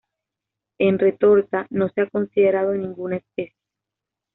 En "Retorta" no se ha considerado ninguna especie.